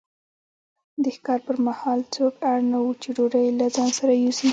د ښکار پر مهال څوک اړ نه وو چې ډوډۍ له ځان سره یوسي.